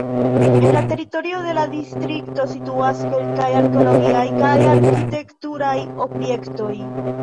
En la teritorio de la distrikto situas kelkaj arkeologiaj kaj arkitekturaj objektoj.